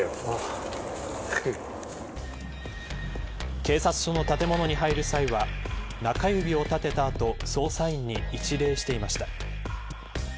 警察署の建物に入る際は中指を立てたあと捜査員に一礼していました。